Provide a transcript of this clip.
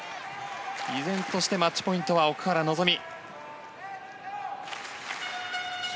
依然としてマッチポイントは奥原希望。